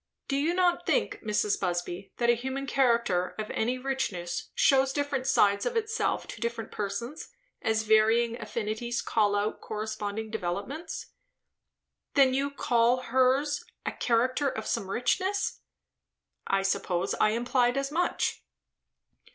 Do you not think, Mrs. Busby, that a human character of any richness shews different sides of itself to different persons, as varying affinities call out corresponding developments?" "Then you call hers, a character of some richness?" "I suppose I implied as much."